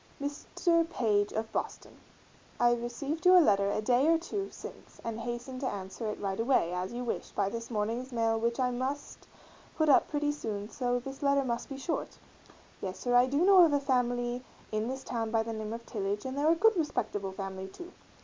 MR. PAGE of Boston: I rec. your letter a Day or two since and hasten to ans. it right away, as you wish, by this morning's mail which I must put up pretty soon so this letter must be short. Yes sir I do know a family in this town by the name of Tillage and they're a good respectable family too.